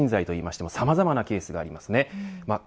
一口にシニア人材と言いましてもさまざまなケースがあります。